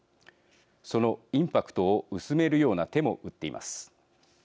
そのインパクトを薄めるような手も打っています。